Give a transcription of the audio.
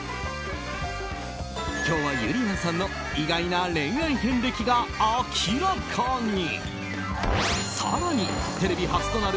今日はゆりやんさんの意外な恋愛遍歴が明らかに。